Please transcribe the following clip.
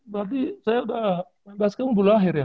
berarti saya udah sembilan belas tahun belum lahir ya